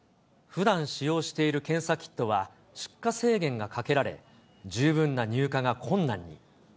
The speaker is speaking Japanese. ふだん使用している検査キットは、出荷制限がかけられ、十分な入荷が困難に。